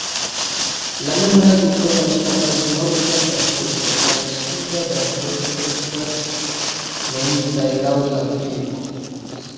La nunaj usonaj ŝtatoj Norda Dakoto kaj Suda Dakoto estas nomitaj laŭ la tribo.